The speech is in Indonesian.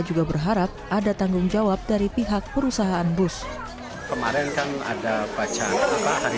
juga berharap ada tanggung jawab dari pihak perusahaan bus kemarin kan ada baca apa hari